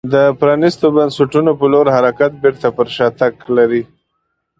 د پرانیستو بنسټونو په لور حرکت بېرته پر شا تګ لري.